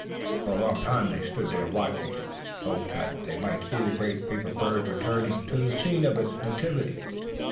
For a long time they stood watching in hopes that they might see the great paper bird returning to the scene of its nativity.